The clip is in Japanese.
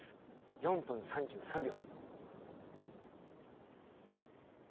「４分３３秒」。